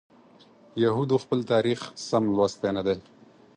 یهودو خپل تاریخ سم لوستی نه دی.